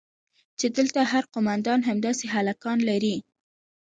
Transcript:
چې دلته هر قومندان همداسې هلکان لري.